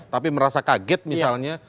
tapi merasa kaget misalnya